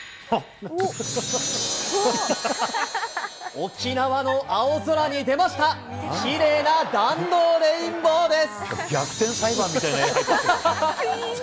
沖縄の青空に出ました、きれいな弾道レインボーです。